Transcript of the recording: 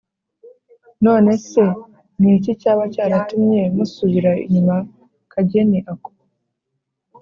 none se n’iki cyaba cyaratumye musubira inyuma kageni ako?